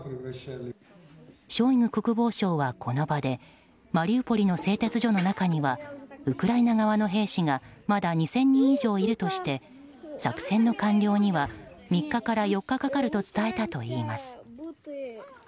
ショイグ国防相は、この場でマリウポリの製鉄所の中にはウクライナ側の兵士がまだ２０００人以上いるとして作戦の完了には３日から４日かかると伝えたといいます。